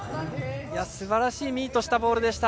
すばらしいミートしたボールでした。